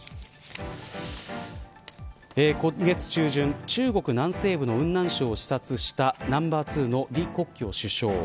今月中旬中国南西部の雲南省を視察したナンバー２の李克強首相。